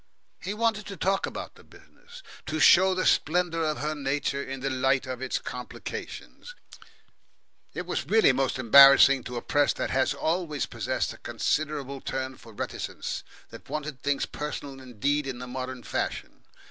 He wanted to talk about the business, to show the splendour of her nature in the light of its complications. It was really most embarrassing to a press that has always possessed a considerable turn for reticence, that wanted things personal indeed in the modern fashion.